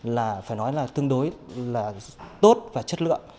là phải nói là tương đối là tốt và chất lượng